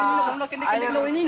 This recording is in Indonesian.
setengah lima air baru air lain